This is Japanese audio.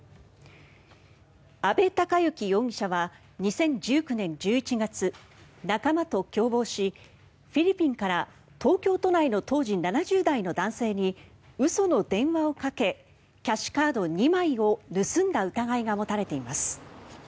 阿部隆行容疑者は２０１９年１１月、仲間と共謀しフィリピンから東京都内の当時７０代の男性に嘘の電話をかけキャッシュカード２枚を盗んだ疑いが持たれています。